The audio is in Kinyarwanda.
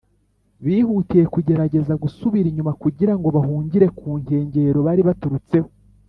bihutiye kugerageza gusubira inyuma kugira ngo bahungire ku nkengero bari baturutseho.